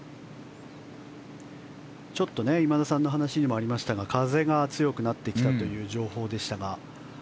ちょっと今田さんの話にもありましたが風が強くなってきたという情報でしたが。